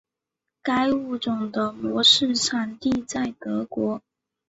该物种的模式产地在德国。